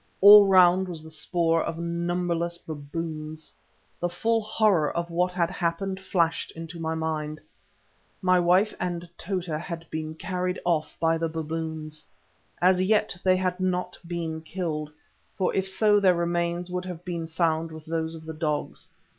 All round was the spoor of numberless baboons. The full horror of what had happened flashed into my mind. My wife and Tota had been carried off by the baboons. As yet they had not been killed, for if so their remains would have been found with those of the dogs.